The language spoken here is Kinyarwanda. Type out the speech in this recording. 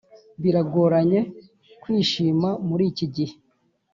Biragoranye kwishima muri iki gihe